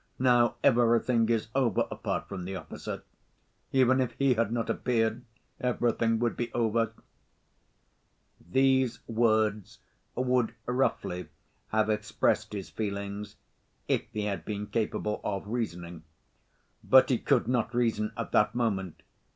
Now everything is over apart from the officer—even if he had not appeared, everything would be over ..." These words would roughly have expressed his feelings, if he had been capable of reasoning. But he could not reason at that moment.